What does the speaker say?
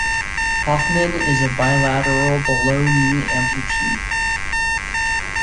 Hoffman is a bilateral below-knee amputee.